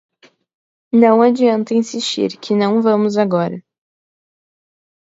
Não adianta insistir que não vamos agora.